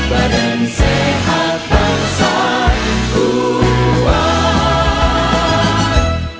badan sehat bangsa kuat